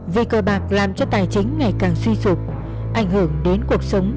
vì cơ bạc làm cho tài chính ngày càng suy sụp ảnh hưởng đến cuộc sống